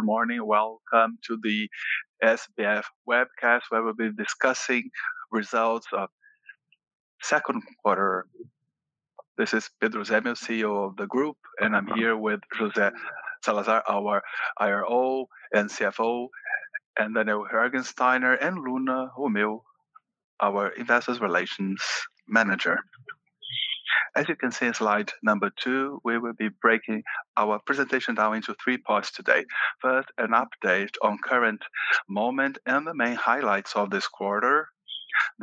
Good morning. Welcome to the SBF webcast, where we'll be discussing results of second quarter. This is Pedro Zemel, CEO of the group, and I'm here with José Salazar, our IRO and CFO, and Daniel Regensteiner and Luna Romeu, our Investor Relations Manager. As you can see in slide number two, we will be breaking our presentation down into three parts today. First, an update on current moment and the main highlights of this quarter.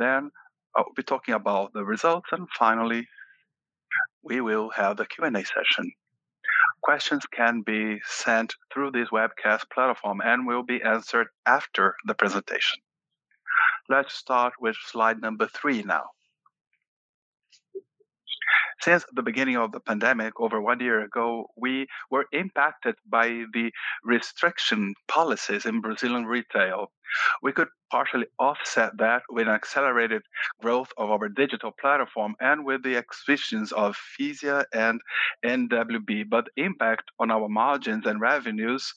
I'll be talking about the results, and finally, we will have the Q&A session. Questions can be sent through this webcast platform and will be answered after the presentation. Let's start with slide number three now. Since the beginning of the pandemic over one year ago, we were impacted by the restriction policies in Brazilian retail. We could partially offset that with accelerated growth of our digital platform and with the acquisitions of Fisia and NWB, but impact on our margins and revenues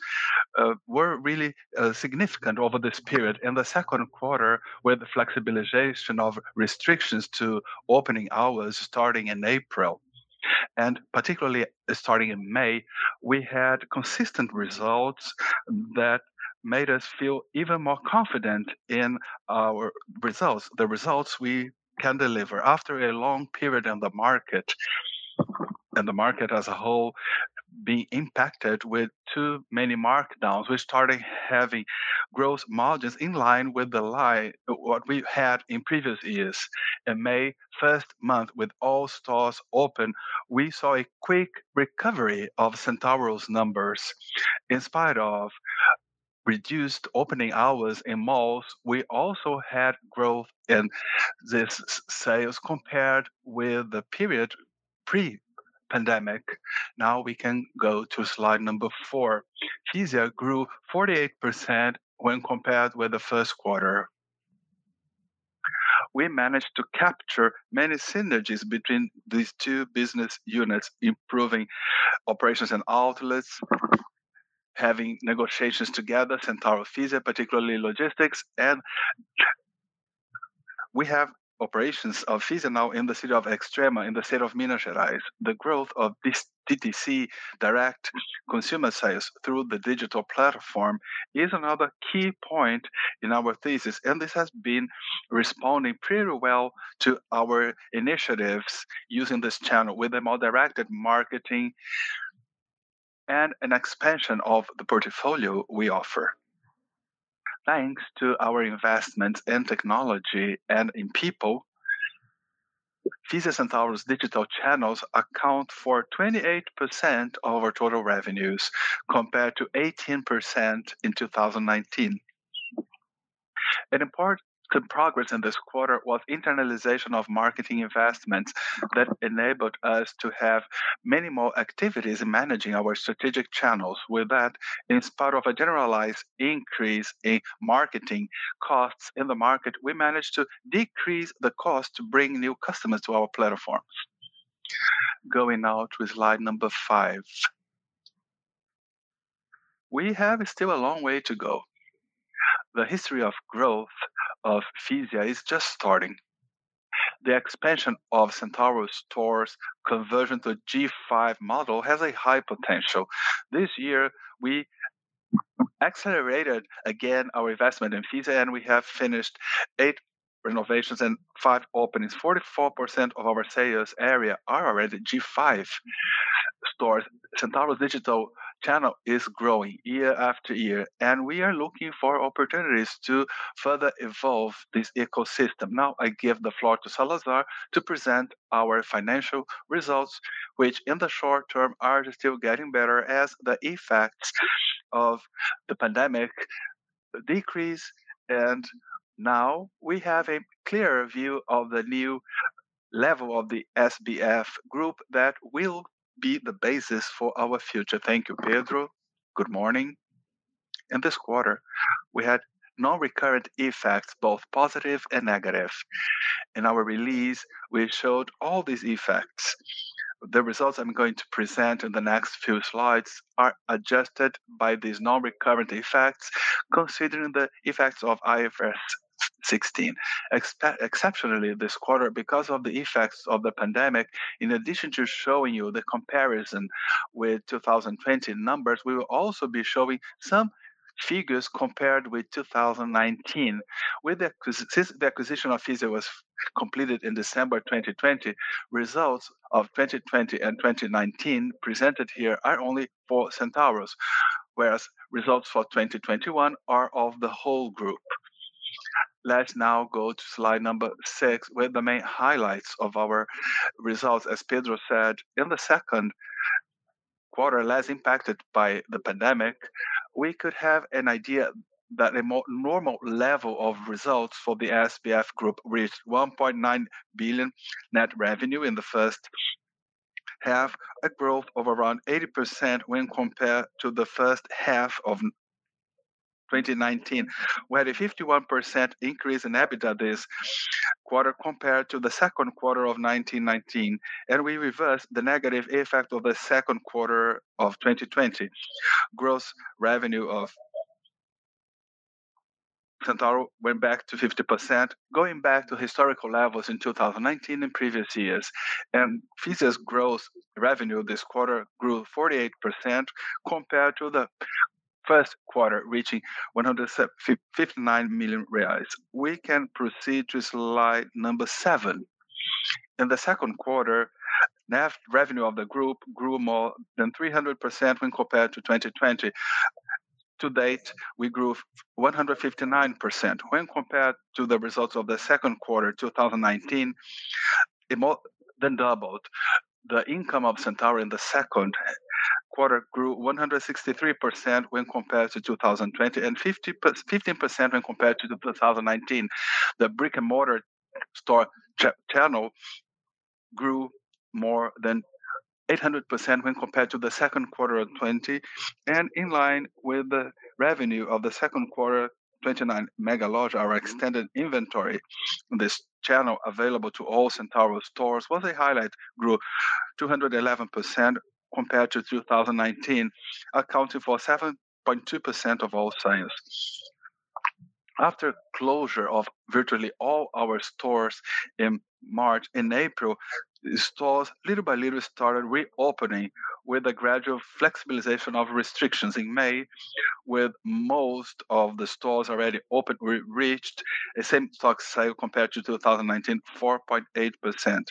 were really significant over this period. In the second quarter, with the flexibilization of restrictions to opening hours starting in April, and particularly starting in May, we had consistent results that made us feel even more confident in our results, the results we can deliver after a long period in the market as a whole being impacted with too many markdowns. We started having growth margins in line with what we had in previous years. In May, first month with all stores open, we saw a quick recovery of Centauro's numbers. In spite of reduced opening hours in malls, we also had growth in these sales compared with the period pre-pandemic. Now we can go to slide number four. Fisia grew 48% when compared with the first quarter. We managed to capture many synergies between these two business units, improving operations and outlets, having negotiations together, Centauro, Fisia, particularly logistics. We have operations of Fisia now in the city of Extrema in the state of Minas Gerais. The growth of this DTC direct consumer sales through the digital platform is another key point in our thesis, and this has been responding pretty well to our initiatives using this channel with a more directed marketing and an expansion of the portfolio we offer. Thanks to our investment in technology and in people, Fisia Centauro's digital channels account for 28% of our total revenues, compared to 18% in 2019. An important progress in this quarter was internalization of marketing investments that enabled us to have many more activities in managing our strategic channels. In spite of a generalized increase in marketing costs in the market, we managed to decrease the cost to bring new customers to our platform. Going now to slide number five. We have still a long way to go. The history of growth of Fisia is just starting. The expansion of Centauro stores conversion to G5 model has a high potential. This year, we accelerated again our investment in Fisia, and we have finished eight renovations and five openings. 44% of our sales area are already G5 stores. Centauro digital channel is growing year-after-year, and we are looking for opportunities to further evolve this ecosystem. Now I give the floor to Salazar to present our financial results, which in the short term are still getting better as the effects of the pandemic decrease and now we have a clearer view of the new level of the Grupo SBF that will be the basis for our future. Thank you, Pedro. Good morning. In this quarter, we had non-recurrent effects, both positive and negative. In our release, we showed all these effects. The results I'm going to present in the next few slides are adjusted by these non-recurrent effects, considering the effects of IFRS 16. Exceptionally this quarter because of the effects of the pandemic, in addition to showing you the comparison with 2020 numbers, we will also be showing some figures compared with 2019. Since the acquisition of Fisia was completed in December 2020, results of 2020 and 2019 presented here are only for Centauro's, whereas results for 2021 are of the whole group. Let's now go to slide number six with the main highlights of our results. As Pedro said, in the second quarter less impacted by the pandemic, we could have an idea that a more normal level of results for the Grupo SBF reached 1.9 billion net revenue in the first half, a growth of around 80% when compared to the first half of 2019. We had a 51% increase in EBITDA this quarter compared to the second quarter of 2019, and we reversed the negative effect of the second quarter of 2020. Gross revenue of Centauro went back to 50%, going back to historical levels in 2019 and previous years. Fisia's gross revenue this quarter grew 48% compared to the first quarter, reaching 159 million reais. We can proceed to slide number seven. In the second quarter, net revenue of the group grew more than 300% when compared to 2020. To date, we grew 159%. When compared to the results of the second quarter 2019, it more than doubled. The income of Centauro in the second quarter grew 163% when compared to 2020 and 15% when compared to 2019. The brick-and-mortar store channel grew more than 800% when compared to the second quarter of '20. In line with the revenue of the second quarter '19 Mega Loja, our extended inventory, this channel available to all Centauro stores was a highlight, grew 211% compared to 2019, accounting for 7.2% of all sales. After closure of virtually all our stores in March and April, stores little by little started reopening with a gradual flexibilization of restrictions in May, with most of the stores already open. We reached the same-store sales compared to 2019, 4.8%.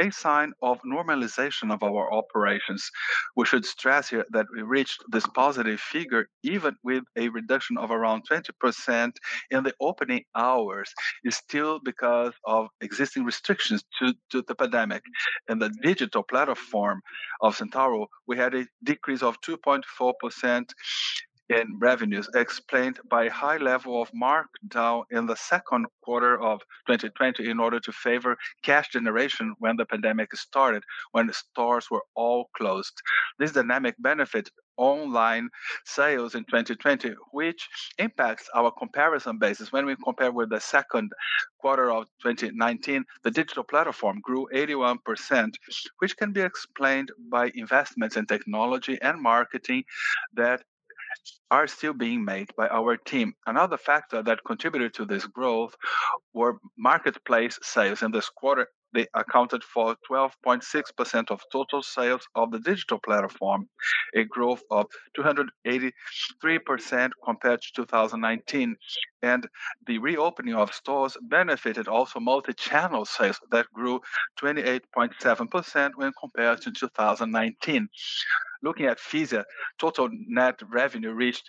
A sign of normalization of our operations. We should stress here that we reached this positive figure even with a reduction of around 20% in the opening hours is still because of existing restrictions to the pandemic. In the digital platform of Centauro, we had a decrease of 2.4% in revenues explained by high level of markdown in the second quarter of 2020 in order to favor cash generation when the pandemic started, when stores were all closed. This dynamic benefit online sales in 2020, which impacts our comparison basis when we compare with the second quarter of 2019. The digital platform grew 81%, which can be explained by investments in technology and marketing that are still being made by our team. Another factor that contributed to this growth were marketplace sales. In this quarter, they accounted for 12.6% of total sales of the digital platform, a growth of 283% compared to 2019. The reopening of stores benefited also multi-channel sales that grew 28.7% when compared to 2019. Looking at Fisia, total net revenue reached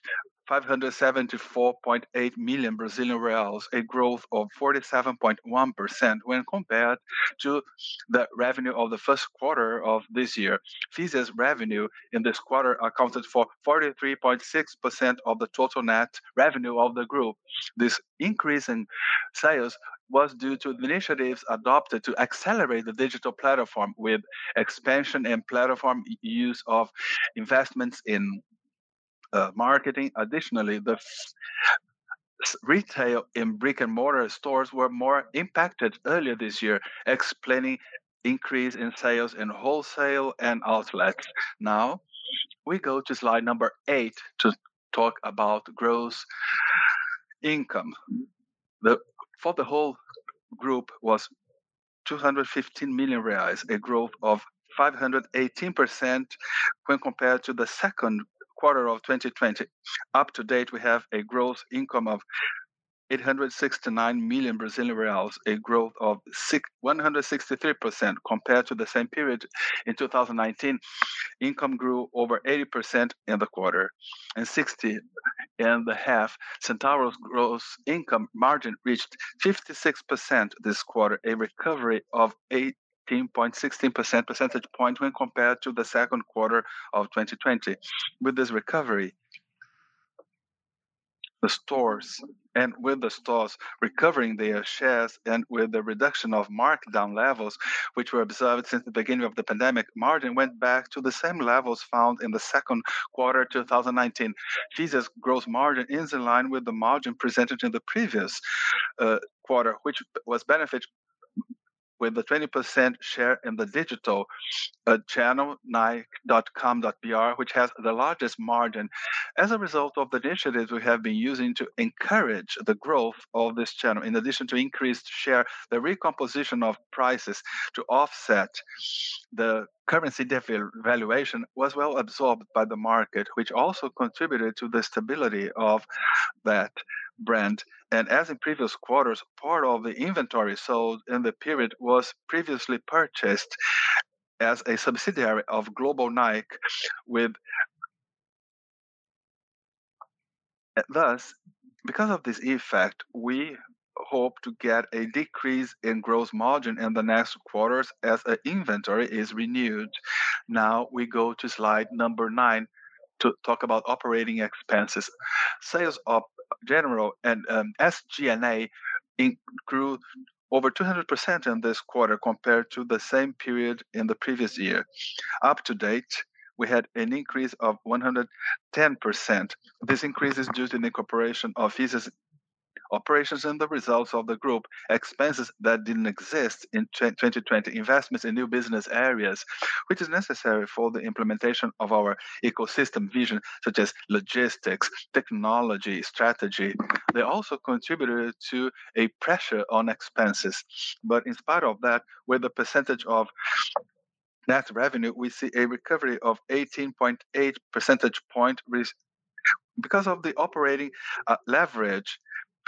574.8 million Brazilian reais, a growth of 47.1% when compared to the revenue of the first quarter of this year. Fisia's revenue in this quarter accounted for 43.6% of the total net revenue of the group. This increase in sales was due to the initiatives adopted to accelerate the digital platform with expansion and platform use of investments in marketing. Additionally, the retail and brick-and-mortar stores were more impacted earlier this year, explaining increase in sales in wholesale and outlets. We go to slide number eight to talk about gross income. For the whole group was 215 million reais, a growth of 518% when compared to the second quarter of 2020. Up to date, we have a gross income of 869 million Brazilian reais, a growth of 163% compared to the same period in 2019. Income grew over 80% in the quarter and 60% in the half. Centauro's gross income margin reached 56% this quarter, a recovery of 18.16% percentage point when compared to the second quarter of 2020. With this recovery, the stores and with the stores recovering their shares and with the reduction of markdown levels which were observed since the beginning of the pandemic, margin went back to the same levels found in the second quarter 2019. Fisia's gross margin is in line with the margin presented in the previous quarter, which was benefit with the 20% share in the digital channel nike.com.br which has the largest margin. As a result of the initiatives we have been using to encourage the growth of this channel, in addition to increased share, the recomposition of prices to offset the currency devaluation was well absorbed by the market, which also contributed to the stability of that brand. As in previous quarters, part of the inventory sold in the period was previously purchased as a subsidiary of Nike. Because of this effect, we hope to get a decrease in gross margin in the next quarters as the inventory is renewed. We go to slide number nine to talk about operating expenses. Sales, General and SG&A grew over 200% in this quarter compared to the same period in the previous year. Up to date, we had an increase of 110%. This increase is due to the incorporation of Fisia's operations and the results of the group expenses that didn't exist in 2020. Investments in new business areas, which is necessary for the implementation of our ecosystem vision, such as logistics, technology, strategy. They also contributed to a pressure on expenses. In spite of that, with the percentage of net revenue, we see a recovery of 18.8 percentage point risk. Because of the operating leverage,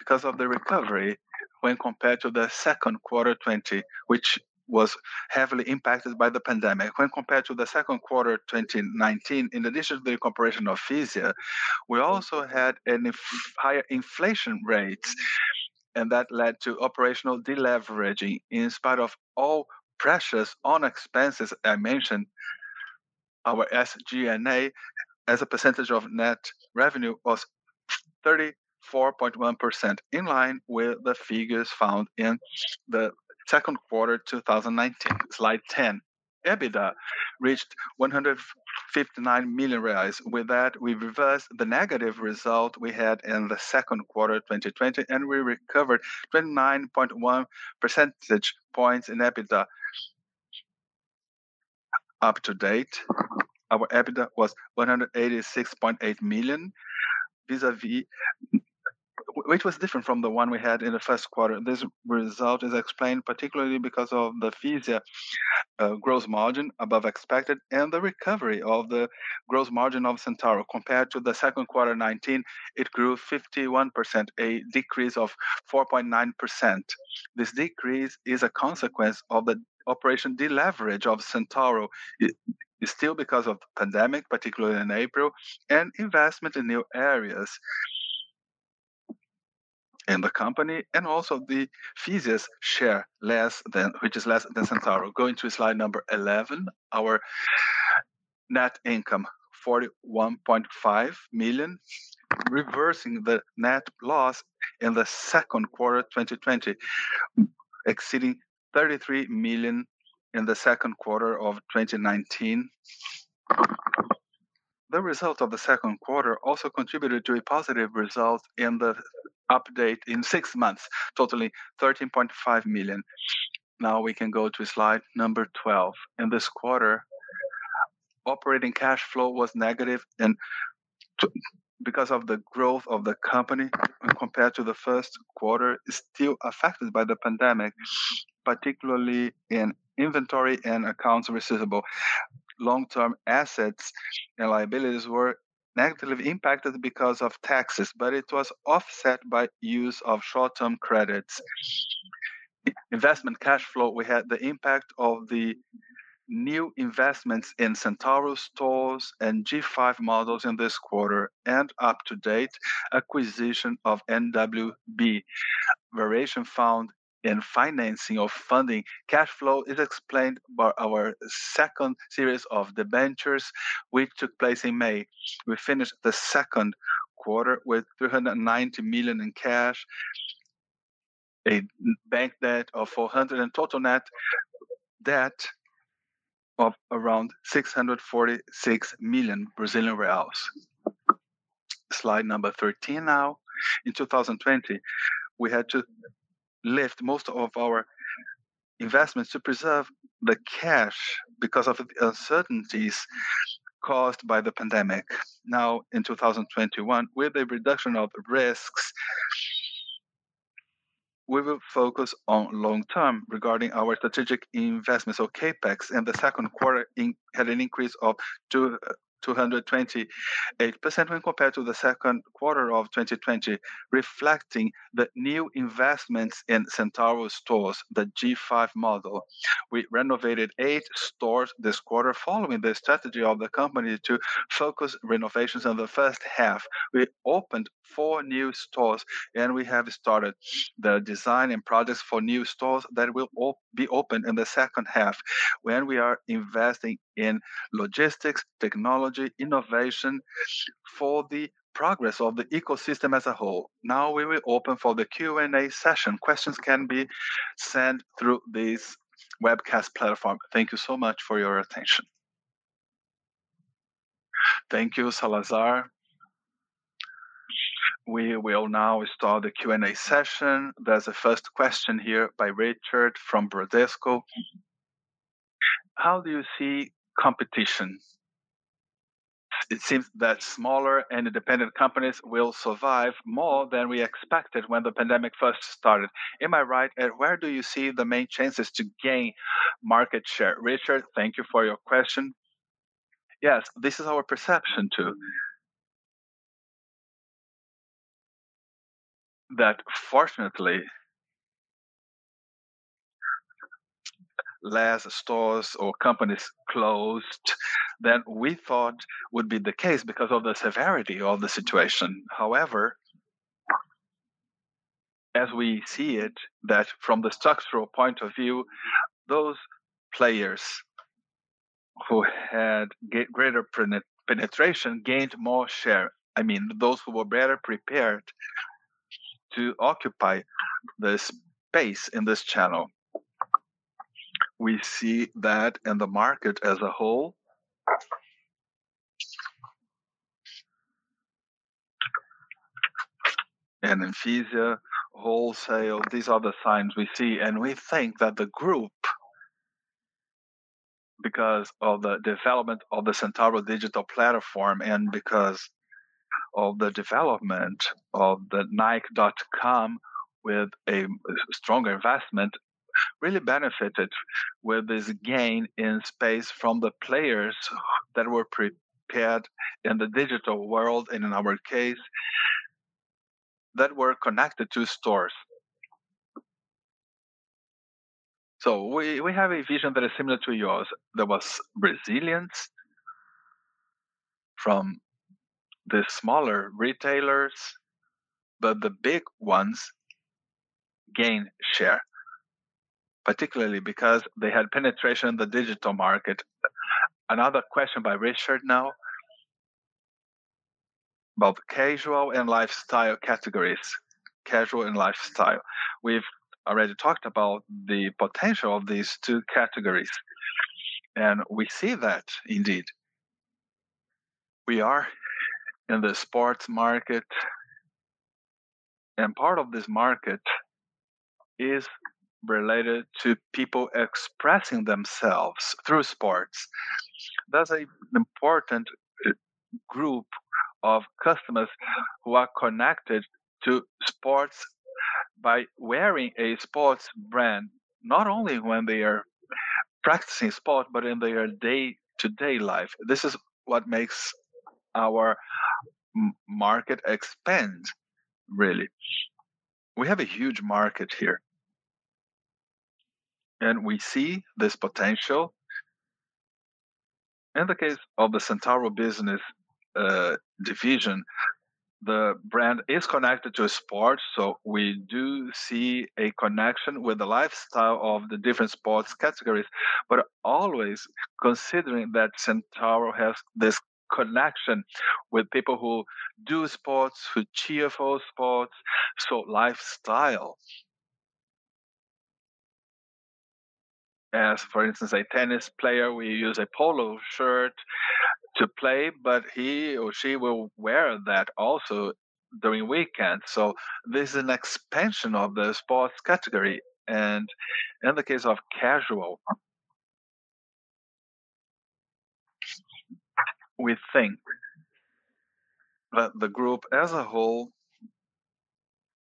because of the recovery when compared to the second quarter 2020, which was heavily impacted by the pandemic. When compared to the second quarter 2019, in addition to the incorporation of Fisia, we also had higher inflation rates, and that led to operational deleveraging. In spite of all pressures on expenses I mentioned, our SG&A as a percentage of net revenue was 34.1% in line with the figures found in the second quarter 2019. Slide 10. EBITDA reached 159 million reais. With that, we reversed the negative result we had in the second quarter of 2020, and we recovered 29.1 percentage points in EBITDA. Up to date, our EBITDA was 186.8 million, which was different from the one we had in the first quarter. This result is explained particularly because of the Fisia gross margin above expected and the recovery of the gross margin of Centauro. Compared to the second quarter 2019, it grew 51%, a decrease of 4.9%. This decrease is a consequence of the operation deleverage of Centauro. Still because of the pandemic, particularly in April, investment in new areas in the company, and also the Fisia's share, which is less than Centauro. Going to slide number 11, our net income, 41.5 million, reversing the net loss in the second quarter of 2020, exceeding 33 million in the second quarter of 2019. The results of the second quarter also contributed to a positive result in the update in six months, totaling 13.5 million. We can go to slide number 12. In this quarter, operating cash flow was negative, because of the growth of the company when compared to the first quarter, is still affected by the pandemic, particularly in inventory and accounts receivable. Long-term assets and liabilities were negatively impacted because of taxes, it was offset by use of short-term credits. Investment cash flow, we had the impact of the new investments in Centauro stores and G5 models in this quarter and up-to-date acquisition of NWB. Variation found in financing of funding cash flow is explained by our second series of debentures, which took place in May. We finished the second quarter with 390 million in cash, a bank debt of 400, and total net debt of around 646 million Brazilian reais. Slide number 13 now. In 2020, we had to lift most of our investments to preserve the cash because of the uncertainties caused by the pandemic. In 2021, with the reduction of risks, we will focus on long-term regarding our strategic investments or CapEx. The second quarter had an increase of 228% when compared to the second quarter of 2020, reflecting the new investments in Centauro stores, the G5 model. We renovated eight stores this quarter following the strategy of the company to focus renovations on the first half. We opened four new stores, and we have started the design and products for new stores that will all be open in the second half when we are investing in logistics, technology, innovation for the progress of the ecosystem as a whole. We will open for the Q&A session. Questions can be sent through this webcast platform. Thank you so much for your attention. Thank you, Salazar. We will now start the Q&A session. There's a first question here by Richard from Bradesco. How do you see competition? It seems that smaller and independent companies will survive more than we expected when the pandemic first started. Am I right? Where do you see the main chances to gain market share? Richard, thank you for your question. Yes, this is our perception too. Fortunately, less stores or companies closed than we thought would be the case because of the severity of the situation. However, as we see it, from the structural point of view, those players who had greater penetration gained more share, those who were better prepared to occupy the space in this channel. We see that in the market as a whole. In C&A wholesale, these are the signs we see, and we think that the group, because of the development of the Centauro digital platform and because of the development of the nike.com.br with a strong investment, really benefited with this gain in space from the players that were prepared in the digital world, and in our case, that were connected to stores. We have a vision that is similar to yours. There was resilience from the smaller retailers, the big ones gained share, particularly because they had penetration in the digital market. Another question by Richard now about casual and lifestyle categories. Casual and lifestyle. We've already talked about the potential of these two categories, we see that indeed. We are in the sports market, part of this market is related to people expressing themselves through sports. That's an important group of customers who are connected to sports by wearing a sports brand, not only when they are practicing sport, but in their day-to-day life. This is what makes our market expand, really. We have a huge market here, and we see this potential. In the case of the Centauro business division, the brand is connected to a sport. We do see a connection with the lifestyle of the different sports categories, but always considering that Centauro has this connection with people who do sports, who cheer for sports. Lifestyle. As, for instance, a tennis player will use a polo shirt to play, but he or she will wear that also during weekends. This is an expansion of the sports category. In the case of casual, we think that the group as a whole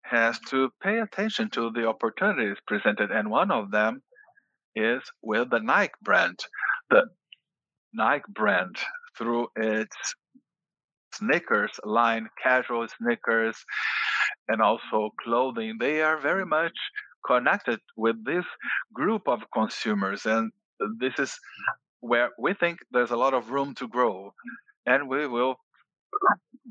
has to pay attention to the opportunities presented, and one of them is with the Nike brand. The Nike brand, through its sneakers line, casual sneakers, and also clothing, they are very much connected with this group of consumers, and this is where we think there's a lot of room to grow. We will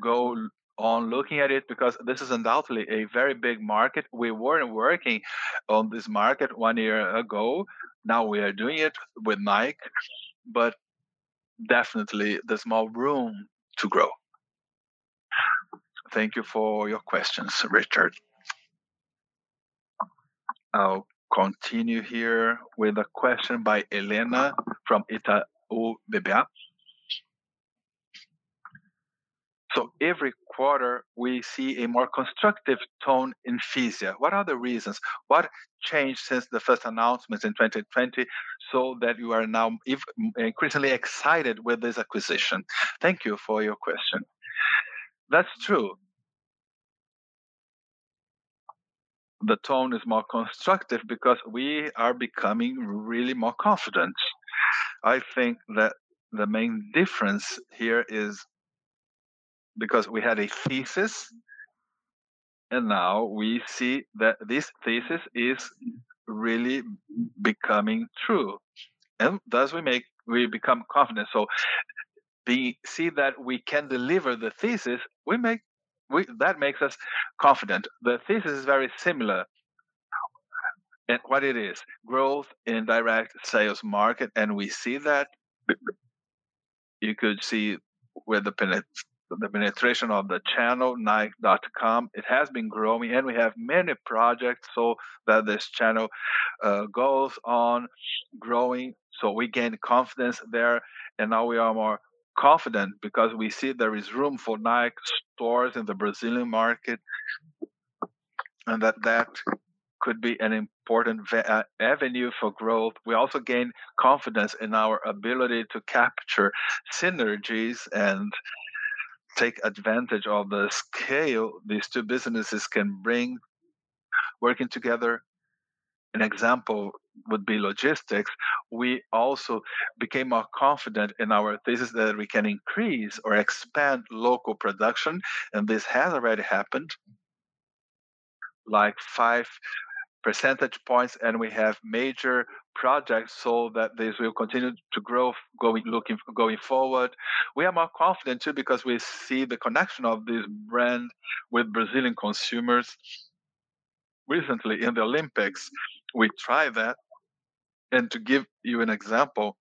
go on looking at it because this is undoubtedly a very big market. We weren't working on this market one year ago. Now we are doing it with Nike, but definitely there's more room to grow. Thank you for your questions, Richard. I'll continue here with a question by Elena from Itaú BBA. "Every quarter, we see a more constructive tone in C&A. What are the reasons? What changed since the first announcements in 2020, so that you are now increasingly excited with this acquisition?" Thank you for your question. That's true. The tone is more constructive because we are becoming really more confident. I think that the main difference here is because we had a thesis, and now we see that this thesis is really becoming true, and thus we become confident. We see that we can deliver the thesis, that makes us confident. The thesis is very similar, and what it is, growth in direct sales market, and we see that. You could see with the penetration of the channel nike.com.br, it has been growing, and we have many projects so that this channel goes on growing. We gained confidence there, and now we are more confident because we see there is room for Nike stores in the Brazilian market, and that could be an important avenue for growth. We also gained confidence in our ability to capture synergies and take advantage of the scale these two businesses can bring working together. An example would be logistics. We also became more confident in our thesis that we can increase or expand local production, and this has already happened, like five percentage points, and we have major projects so that this will continue to grow going forward. We are more confident too because we see the connection of this brand with Brazilian consumers. Recently in the Olympics, we tried that. To give you an example,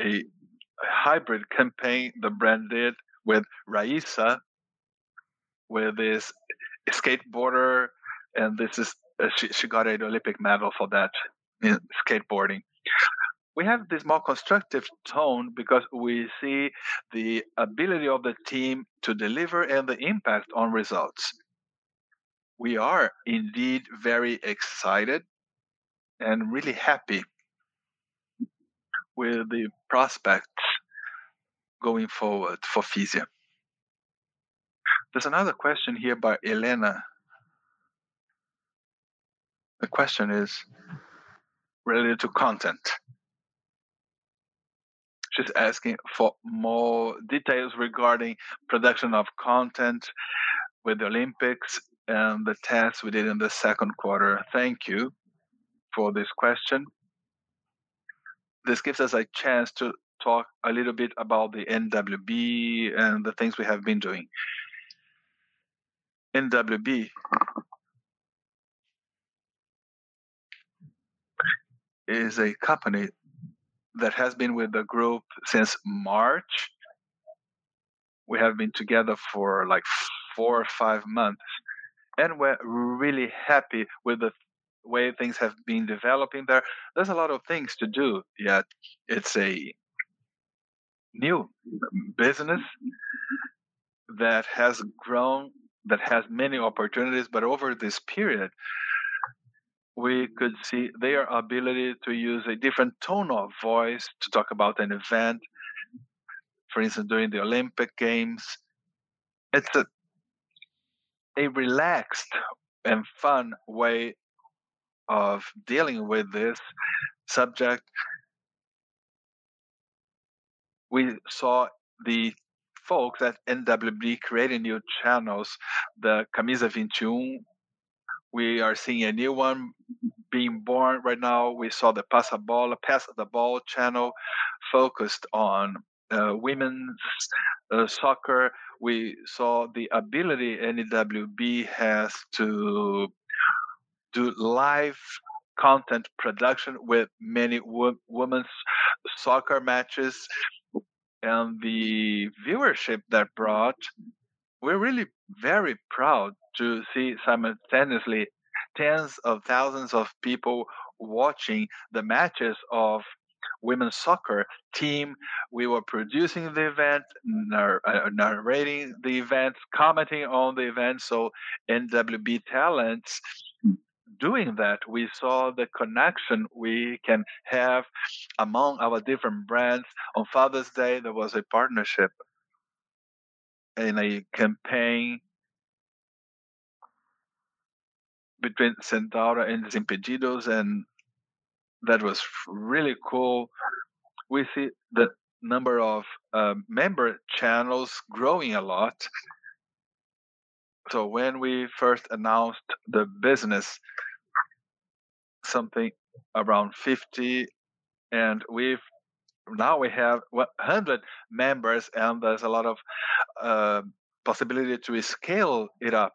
a hybrid campaign the brand did with Rayssa, with this skateboarder, and she got an Olympic medal for that in skateboarding. We have this more constructive tone because we see the ability of the team to deliver and the impact on results. We are indeed very excited and really happy with the prospects going forward for Fisia. There's another question here by Elena. The question is related to content. She's asking for more details regarding production of content with the Olympics and the tests we did in the second quarter. Thank you for this question. This gives us a chance to talk a little bit about the NWB and the things we have been doing. NWB is a company that has been with the group since March. We have been together for four or five months, and we're really happy with the way things have been developing there. There's a lot of things to do yet. It's a new business that has grown, that has many opportunities. Over this period, we could see their ability to use a different tone of voice to talk about an event. For instance, during the Olympic Games. It's a relaxed and fun way of dealing with this subject. We saw the folks at NWB creating new channels, the Camisa 21. We are seeing a new one being born right now. We saw the Passa a Bola, Pass the Ball channel focused on women's soccer. We saw the ability NWB has to do live content production with many women's soccer matches and the viewership that brought. We're really very proud to see simultaneously tens of thousands of people watching the matches of women's soccer team. We were producing the event, narrating the events, commenting on the events. NWB talents doing that, we saw the connection we can have among our different brands. On Father's Day, there was a partnership in a campaign between Centauro and Desimpedidos, that was really cool. We see the number of member channels growing a lot. When we first announced the business, something around 50, now we have 100 members, there's a lot of possibility to scale it up.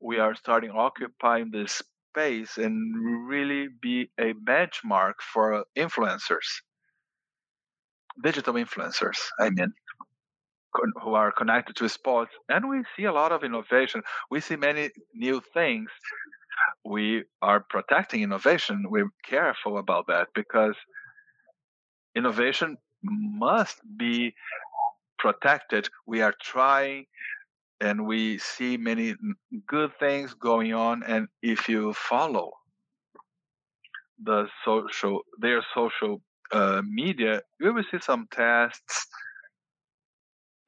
We are starting occupying this space and really be a benchmark for influencers. Digital influencers, I meant, who are connected to sports, we see a lot of innovation. We see many new things. We are protecting innovation. We're careful about that because innovation must be protected. We are trying, we see many good things going on, if you follow their social media, you will see some tests,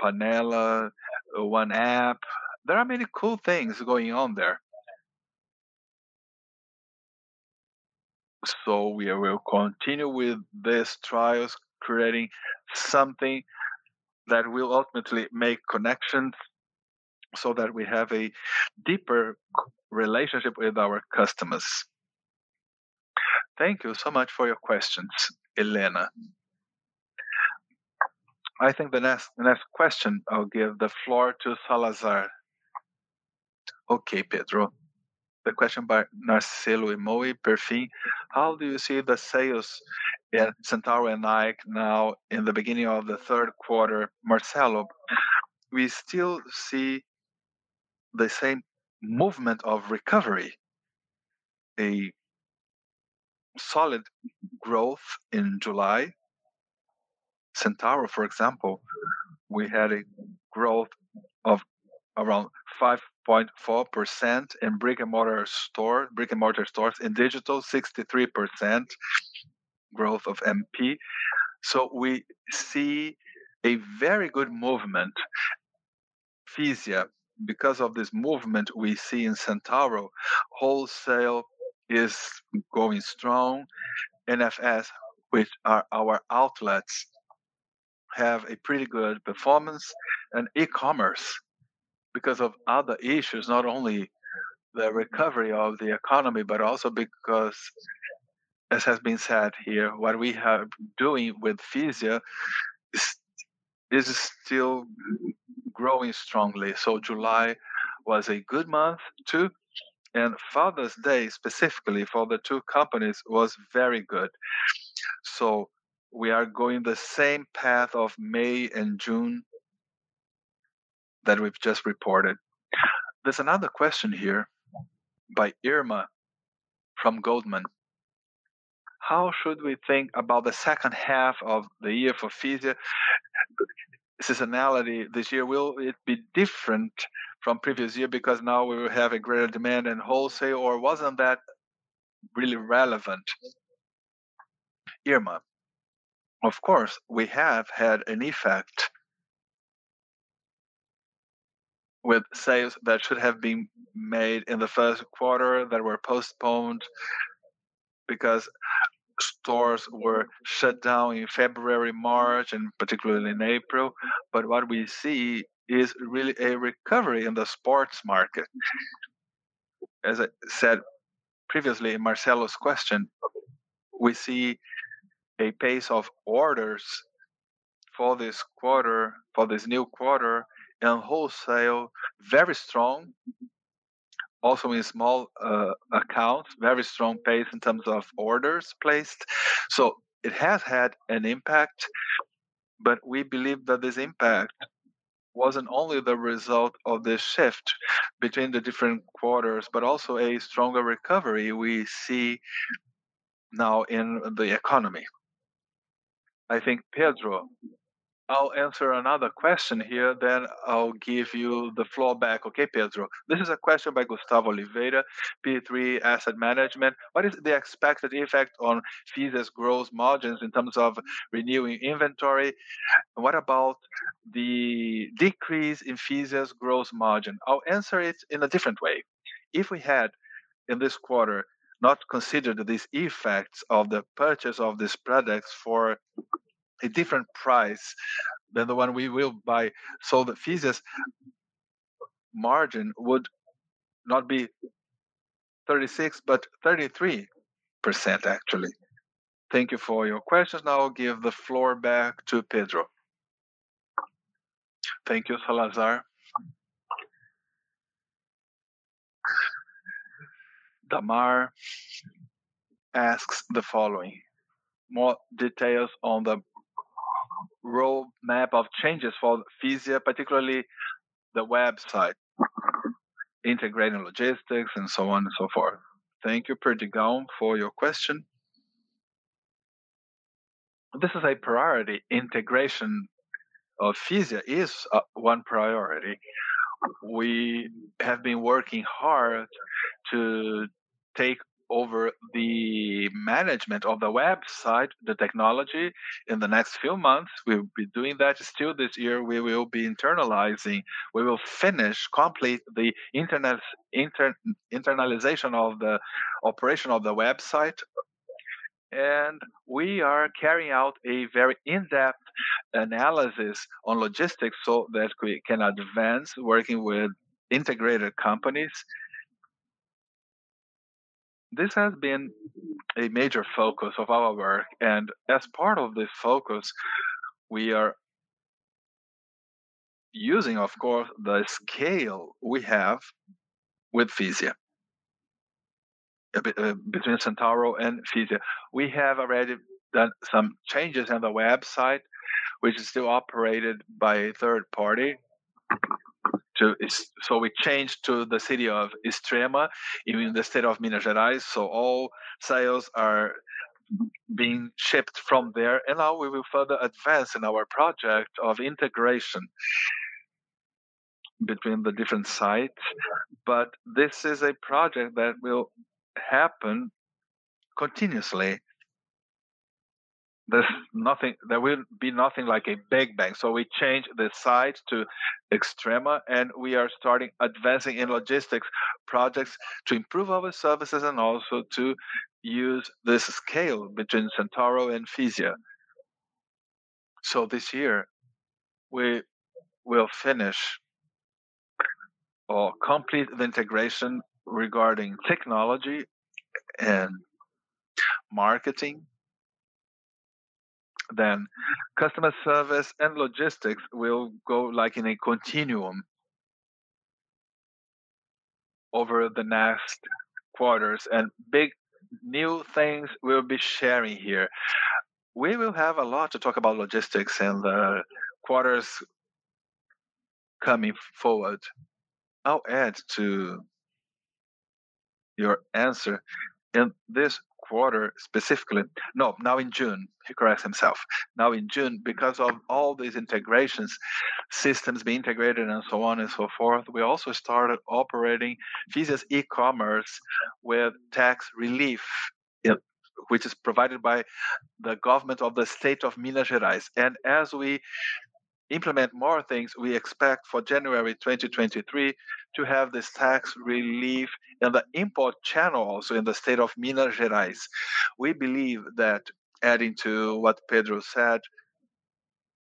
Panela, One App. There are many cool things going on there. We will continue with these trials, creating something that will ultimately make connections so that we have a deeper relationship with our customers. Thank you so much for your questions, Elena. I think the next question, I'll give the floor to Salazar. Okay, Pedro. The question by Marcelo Imoto. "How do you see the sales at Centauro and Nike now in the beginning of the third quarter?" Marcelo, we still see the same movement of recovery, a solid growth in July. Centauro, for example, we had a growth of around 5.4% in brick-and-mortar stores. In digital, 63% growth of MP. We see a very good movement. Fisia, because of this movement we see in Centauro, wholesale is going strong. NFS, which are our outlets, have a pretty good performance in e-commerce because of other issues, not only the recovery of the economy, but also because, as has been said here, what we are doing with Fisia is still growing strongly. July was a good month too, and Father's Day, specifically for the two companies, was very good. We are going the same path of May and June that we've just reported. There's another question here by Irma from Goldman Sachs. How should we think about the second half of the year for Fisia seasonality this year? Will it be different from previous year because now we will have a greater demand in wholesale, or wasn't that really relevant? Irma, of course, we have had an effect with sales that should have been made in the first quarter that were postponed because stores were shut down in February, March, and particularly in April. What we see is really a recovery in the sports market. As I said previously in Marcelo Imoto's question, we see a pace of orders for this new quarter in wholesale, very strong. In small accounts, very strong pace in terms of orders placed. It has had an impact, but we believe that this impact wasn't only the result of the shift between the different quarters, but also a stronger recovery we see now in the economy. I think, Pedro, I'll answer another question here, then I'll give you the floor back, okay, Pedro? This is a question by Gustavo Oliveira, P3 Asset Management. What is the expected effect on Fisia's growth margins in terms of renewing inventory? What about the decrease in Fisia's growth margin? I'll answer it in a different way. If we had, in this quarter, not considered these effects of the purchase of these products for a different price than the one we will buy, Fisia's margin would not be 36, but 33% actually. Thank you for your question. Now I'll give the floor back to Pedro. Thank you, Salazar. Dámaris asks the following. More details on the roadmap of changes for Fisia, particularly the website, integrating logistics, and so on and so forth. Thank you, Perdigão, for your question. This is a priority. Integration of Fisia is one priority. We have been working hard to take over the management of the website, the technology. In the next few months, we'll be doing that. Still this year, we will be internalizing. We will finish, complete the internalization of the operation of the website. We are carrying out a very in-depth analysis on logistics so that we can advance working with integrated companies. This has been a major focus of our work. As part of this focus, we are using, of course, the scale we have with Fisia, between Centauro and Fisia. We have already done some changes on the website, which is still operated by a third party. We changed to the city of Extrema in the state of Minas Gerais. All sales are being shipped from there. Now we will further advance in our project of integration between the different sites. This is a project that will happen continuously. There will be nothing like a big bang. We changed the site to Extrema, and we are starting advancing in logistics projects to improve our services and also to use the scale between Centauro and Fisia. This year, we will finish or complete the integration regarding technology and marketing. Customer service and logistics will go like in a continuum over the next quarters, and big new things we'll be sharing here. We will have a lot to talk about logistics in the quarters coming forward. I'll add to your answer. Now in June, because of all these integrations, systems being integrated, and so on and so forth, we also started operating Fisia's e-commerce with tax relief which is provided by the government of the state of Minas Gerais. As we implement more things. We expect for January 2023 to have this tax relief in the import channel also in the state of Minas Gerais. We believe that adding to what Pedro said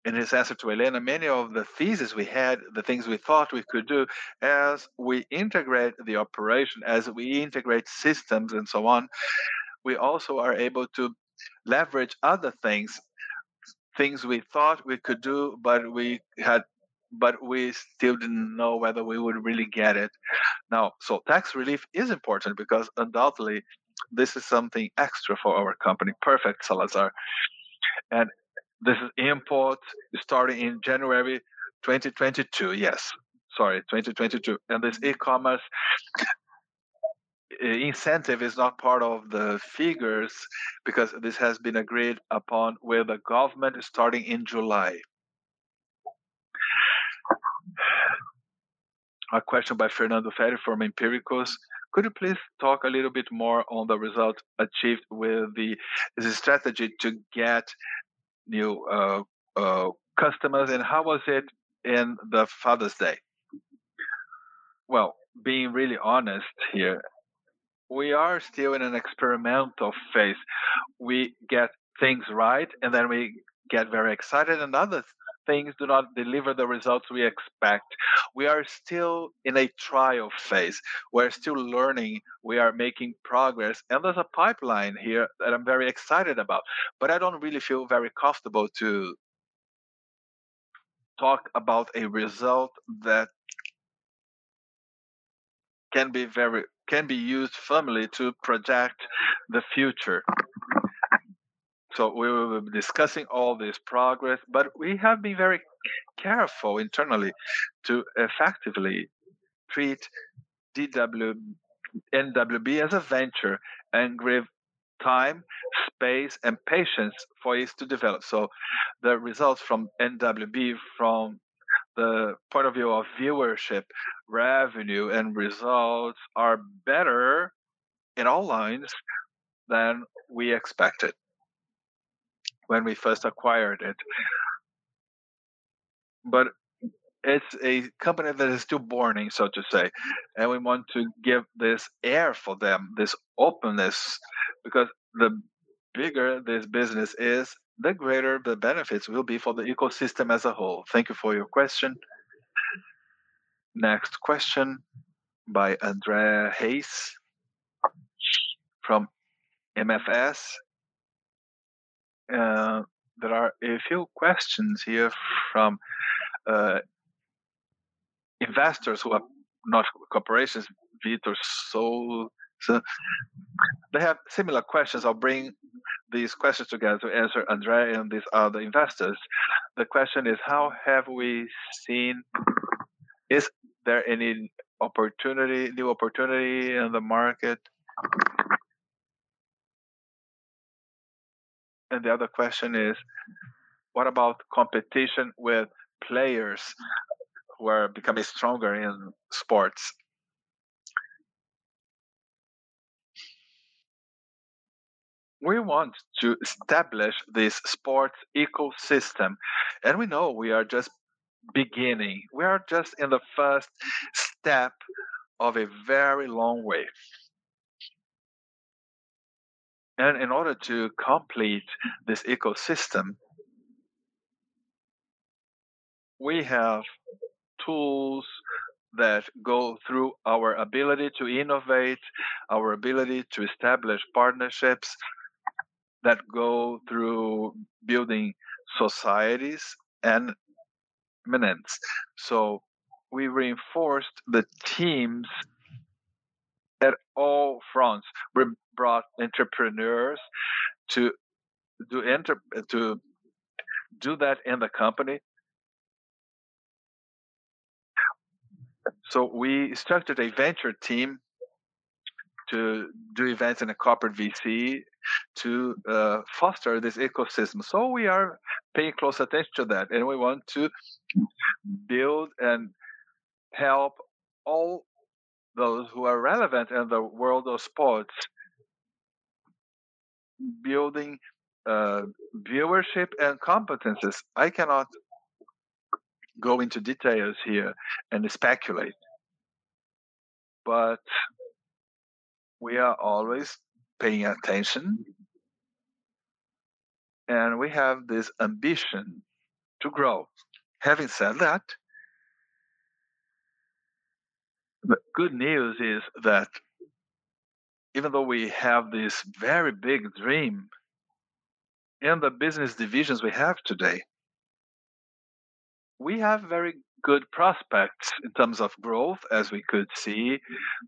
in his answer to Elena, many of the thesis we had, the things we thought we could do as we integrate the operation, as we integrate systems and so on, we also are able to leverage other things. Things we thought we could do, but we still didn't know whether we would really get it. Now, tax relief is important because undoubtedly this is something extra for our company. Perfect, Salazar. This import starting in January 2022. Yes. Sorry, 2022. This e-commerce incentive is not part of the figures because this has been agreed upon with the government starting in July. A question by Fernando Ferrer from Empiricus. Could you please talk a little bit more on the result achieved with the strategy to get new customers, and how was it in the Father's Day? Well, being really honest here, we are still in an experimental phase. We get things right, and then we get very excited, and other things do not deliver the results we expect. We are still in a trial phase. We're still learning. We are making progress, and there's a pipeline here that I'm very excited about. I don't really feel very comfortable to talk about a result that can be used firmly to project the future. We will be discussing all this progress, but we have been very careful internally to effectively treat NWB as a venture and give time, space, and patience for it to develop. The results from NWB from the point of view of viewership, revenue, and results are better in all lines than we expected when we first acquired it. It's a company that is still born, so to say, and we want to give this air for them, this openness, because the bigger this business is, the greater the benefits will be for the ecosystem as a whole. Thank you for your question. Next question by Andrea Mane-se from MFS. There are a few questions here from investors who are not corporations. They have similar questions. I'll bring these questions together to answer Andrea Mane-se and these other investors. The question is: Is there any new opportunity in the market? The other question is: What about competition with players who are becoming stronger in sports? We want to establish this sports ecosystem, and we know we are just beginning. We are just in the first step of a very long way. In order to complete this ecosystem, we have tools that go through our ability to innovate, our ability to establish partnerships that go through building societies. We reinforced the teams at all fronts. We brought entrepreneurs to do that in the company. We structured a venture team to do events in a corporate VC to foster this ecosystem. We are paying close attention to that, and we want to build and help all those who are relevant in the world of sports, building viewership and competencies. I cannot go into details here and speculate, but we are always paying attention, and we have this ambition to grow. Having said that, the good news is that even though we have this very big dream in the business divisions we have today, we have very good prospects in terms of growth. As we could see,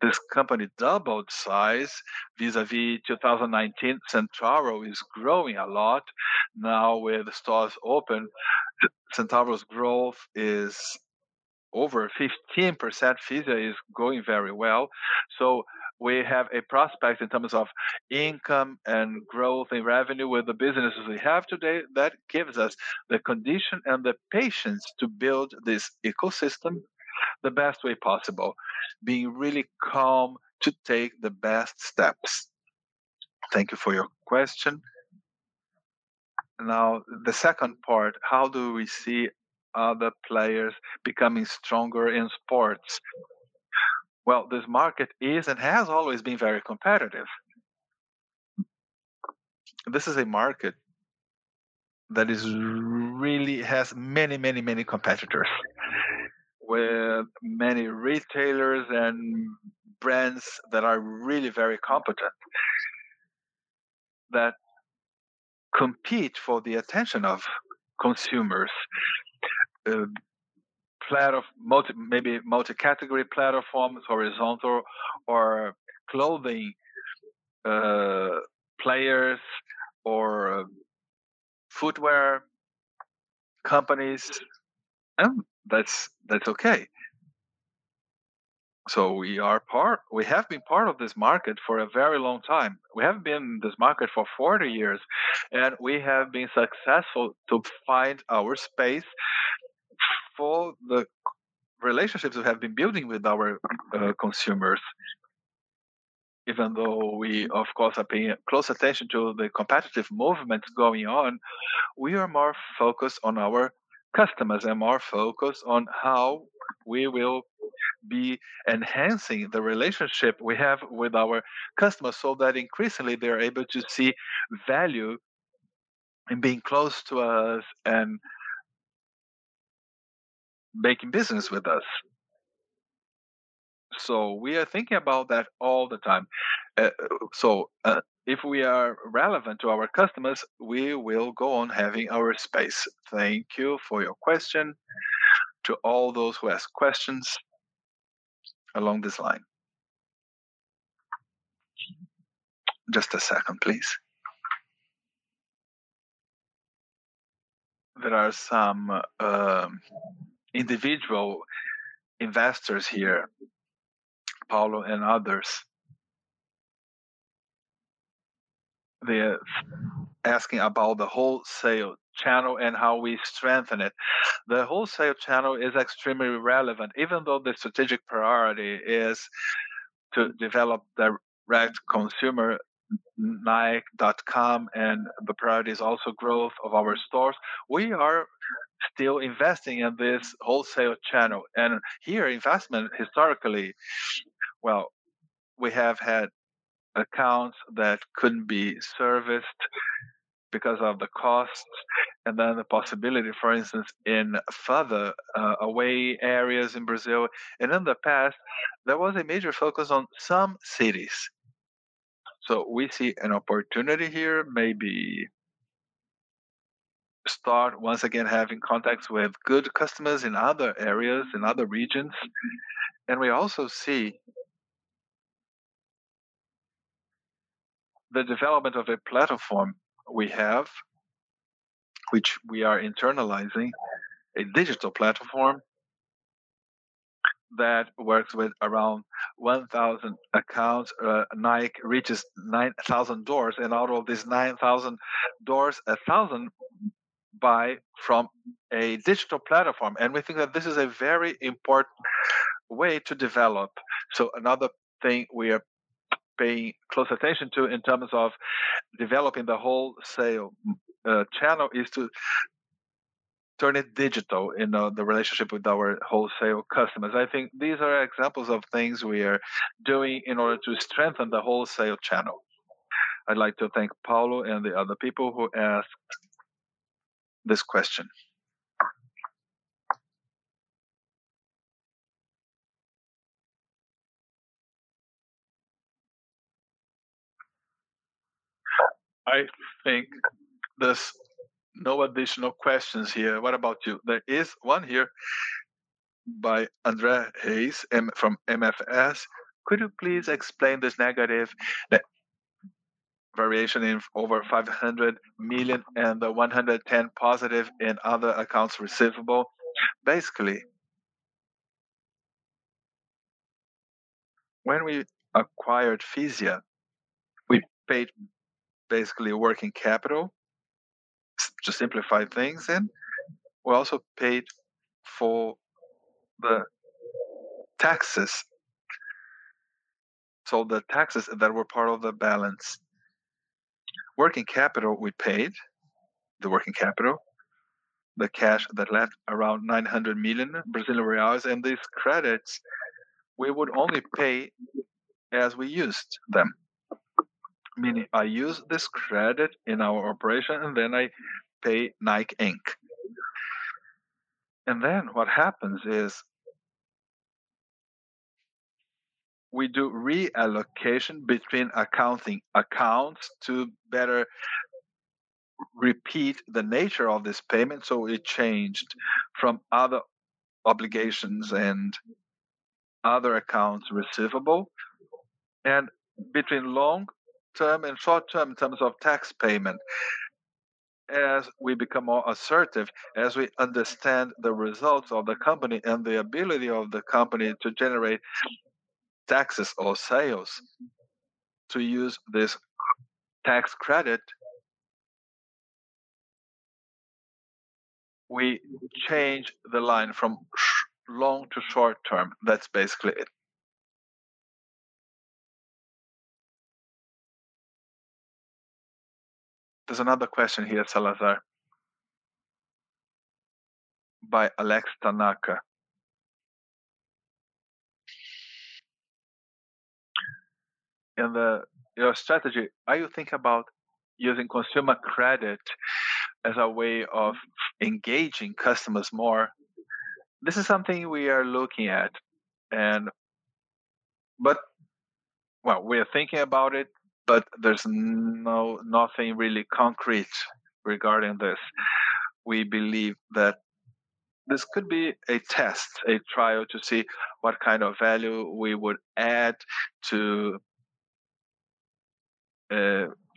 this company doubled size vis-a-vis 2019. Centauro is growing a lot now with stores open. Centauro's growth is over 15%. Fisia is growing very well. We have a prospect in terms of income and growth in revenue with the businesses we have today. That gives us the condition and the patience to build this ecosystem the best way possible, being really calm to take the best steps. Thank you for your question. Now, the second part: how do we see other players becoming stronger in sports? Well, this market is, and has always been very competitive. This is a market that really has many competitors, with many retailers and brands that are really very competent, that compete for the attention of consumers. Maybe multi-category platforms, horizontal or clothing players or footwear companies, that's okay. We have been part of this market for a very long time. We have been in this market for 40 years, we have been successful to find our space for the relationships we have been building with our consumers. Even though we, of course, are paying close attention to the competitive movement going on, we are more focused on our customers and more focused on how we will be enhancing the relationship we have with our customers, so that increasingly they're able to see value in being close to us and making business with us. We are thinking about that all the time. If we are relevant to our customers, we will go on having our space. Thank you for your question to all those who asked questions along this line. Just a second, please. There are some individual investors here, Paulo and others. They're asking about the wholesale channel and how we strengthen it. The wholesale channel is extremely relevant. Even though the strategic priority is to develop direct consumer nike.com and the priority is also growth of our stores, we are still investing in this wholesale channel. Here, investment historically, we have had accounts that couldn't be serviced because of the costs and then the possibility, for instance, in further away areas in Brazil. In the past, there was a major focus on some cities. We see an opportunity here, maybe start once again having contacts with good customers in other areas, in other regions. We also see the development of a platform we have, which we are internalizing, a digital platform that works with around 1,000 accounts. Nike reaches 9,000 doors, and out of these 9,000 doors, 1,000 buy from a digital platform. We think that this is a very important way to develop. Another thing we are paying close attention to in terms of developing the wholesale channel is to turn it digital in the relationship with our wholesale customers. I think these are examples of things we are doing in order to strengthen the wholesale channel. I'd like to thank Paulo and the other people who asked this question. I think there's no additional questions here. What about you? There is one here by Andrea Mane-se from MFS. Could you please explain this negative variation in over 500 million and the 110 positive in other accounts receivable? Basically, when we acquired Fisia, we paid basically a working capital to simplify things. We also paid for the taxes. The taxes that were part of the balance. Working capital, we paid the working capital, the cash that left around 900 million Brazilian reais. These credits we would only pay as we used them, meaning I use this credit in our operation and then I pay Nike, Inc. What happens is we do reallocation between accounting accounts to better repeat the nature of this payment. It changed from other obligations and other accounts receivable, between long term and short term in terms of tax payment. As we become more assertive, as we understand the results of the company and the ability of the company to generate taxes or sales to use this tax credit. We change the line from long to short term. That's basically it. There's another question here, Salazar, by Alex Tanaka."In your strategy, are you thinking about using consumer credit as a way of engaging customers more?" This is something we are looking at. We are thinking about it, but there's nothing really concrete regarding this. We believe that this could be a test, a trial to see what kind of value we would add to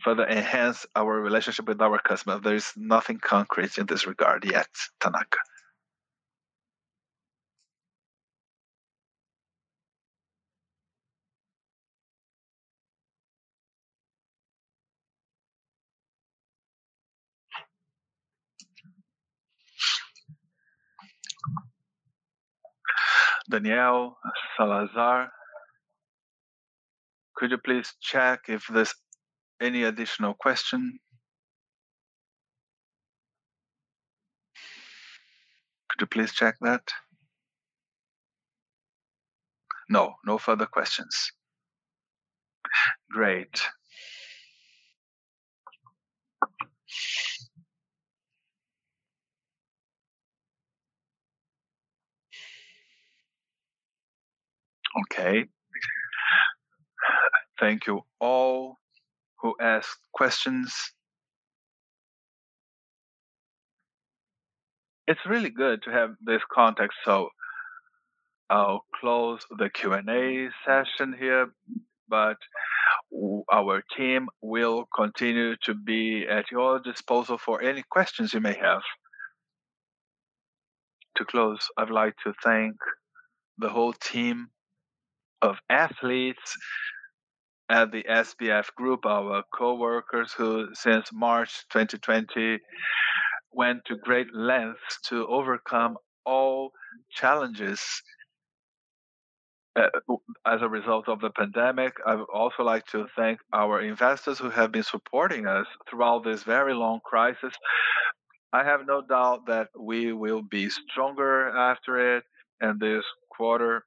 further enhance our relationship with our customer. There is nothing concrete in this regard yet, Tanaka. Daniel, Salazar, could you please check if there's any additional question? Could you please check that? No. No further questions. Great. Okay. Thank you all who asked questions. It's really good to have this contact, so I'll close the Q&A session here, but our team will continue to be at your disposal for any questions you may have. To close, I'd like to thank the whole team of athletes at the Grupo SBF, our coworkers who, since March 2020, went to great lengths to overcome all challenges as a result of the pandemic. I would also like to thank our investors who have been supporting us throughout this very long crisis. I have no doubt that we will be stronger after it, and this quarter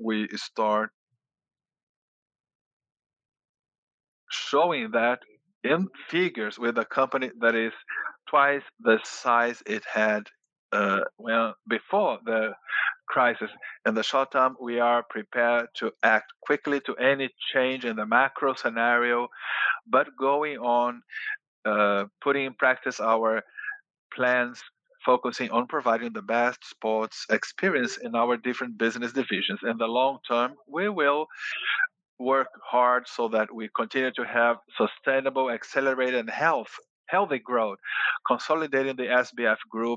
we start showing that in figures with a company that is twice the size it had before the crisis. In the short term, we are prepared to act quickly to any change in the macro scenario, but going on, putting in practice our plans, focusing on providing the best sports experience in our different business divisions. In the long term, we will work hard so that we continue to have sustainable, accelerated, and healthy growth, consolidating the Grupo SBF.